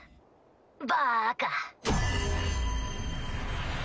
バカ。